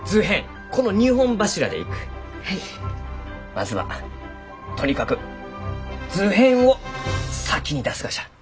まずはとにかく図編を先に出すがじゃ。